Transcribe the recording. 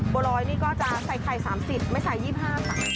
บัวรอยนี่ก็จะใส่ไข่๓๐ไม่ใส่๒๕ค่ะ